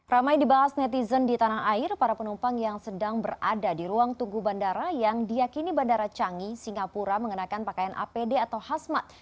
ramai dibahas netizen di tanah air para penumpang yang sedang berada di ruang tunggu bandara yang diakini bandara canggih singapura mengenakan pakaian apd atau hasmat